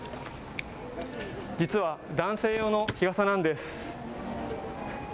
実は男性用の日傘なんです。